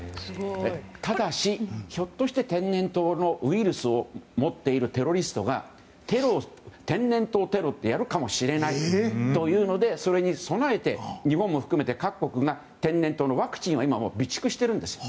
ただし、ひょっとして天然痘のウイルスを持っているテロリストが天然痘テロをやるかもしれないというのでそれに備えて日本も含めて各国が天然痘のワクチンを備蓄しているんです。